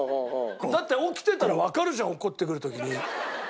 だって起きてたらわかるじゃん落っこちてくる時に。